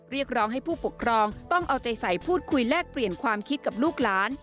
เรียกร้องให้ผู้ปกครองต้องเอาใจใส่พูดคุยแลกเปลี่ยนความคิดกับลูกหลาน